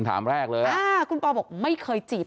ถามแรกเลยนะครับอ้าวคุณปอล์บอกไม่เคยจีบ